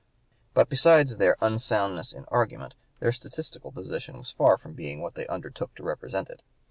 But besides their unsoundness in argument, their statistical position was far from being what they undertook to represent it.